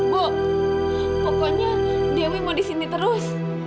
bu pokoknya dewi mau disini terus